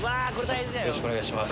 よろしくお願いします